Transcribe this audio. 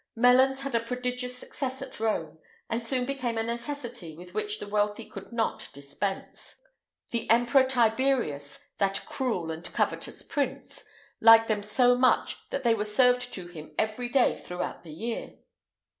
Melons had a prodigious success at Rome, and soon became a necessity with which the wealthy could not dispense. The Emperor Tiberius, that cruel and covetous prince,[IX 156] liked them so much that they were served to him every day throughout the year.